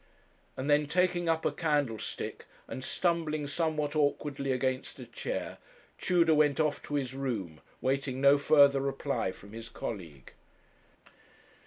And then, taking up a candlestick and stumbling somewhat awkwardly against a chair, Tudor went off to his room, waiting no further reply from his colleague.